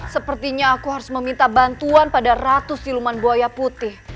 sepertinya aku harus meminta bantuan pada ratus siluman buaya putih